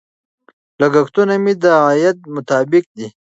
لګښتونه مې د عاید مطابق دي.